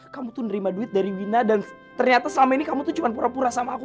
kamu tuh nerima duit dari wina dan ternyata selama ini kamu tuh cuma pura pura sama aku